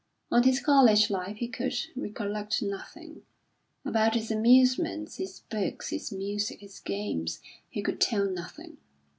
Of his college life he could recollect nothing. About his amusements, his books, his music, his games, he could tell nothing.